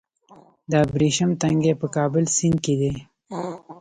د ابریشم تنګی په کابل سیند کې دی